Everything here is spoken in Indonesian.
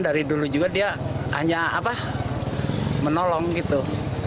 dari dulu juga dia hanya menolong gitu